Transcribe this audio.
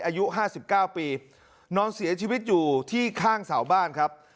อายุห้าสิบเก้าปีนอนเสียชีวิตอยู่ที่ข้างสาวบ้านครับ